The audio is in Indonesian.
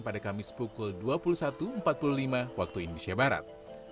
pada kamis pukul dua puluh satu empat puluh lima waktu indonesia barat